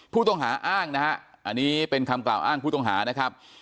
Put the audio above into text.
ผู้ต้องหาอ้างนะฮะอันนี้เป็นคำกล่าวอ้างผู้ต้องหานะครับ